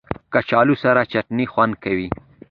کچالو سره چټني خوند کوي